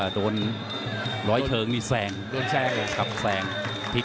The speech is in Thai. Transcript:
โดนร้อยเชิงที่แซงต่อสงไพรซ์เลยครับ